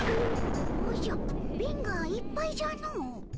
おじゃ貧がいっぱいじゃの。